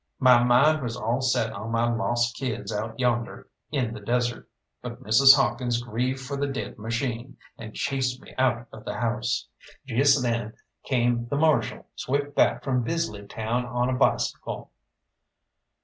My mind was all set on my lost kids out yonder in the desert, but Mrs. Hawkins grieved for the dead machine, and chased me out of the house. Just then came the Marshal swift back from Bisley town on a bicycle.